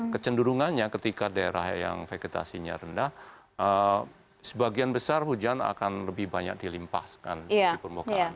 kecenderungannya ketika daerah yang vegetasinya rendah sebagian besar hujan akan lebih banyak dilimpaskan di permukaan